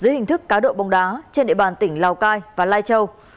tình thức cá độ bóng đá trên địa bàn tỉnh lào cai và lai châu